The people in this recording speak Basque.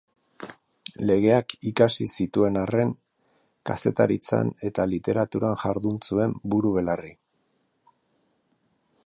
Legeak ikasi zituen arren, kazetaritzan eta literaturan jardun zuen buru-belarri.